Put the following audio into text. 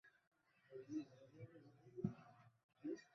এবং মানুষের মাঝে ইতোমধ্যেই রিলিজকৃত এই মুভিটা সাড়া ফেলে দিয়েছে, ব্রি!